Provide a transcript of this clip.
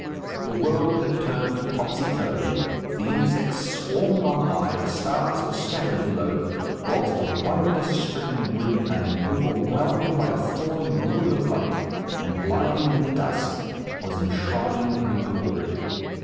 The world had turned topsy turvy. The insects swarmed on high, the stars were scattered below, whilst the wonder stricken Gwynplaine, overwhelmed by a falling ruin of light, and lying in the dust, was enshrined in a glory.